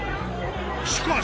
しかし。